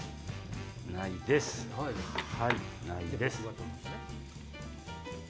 ないです。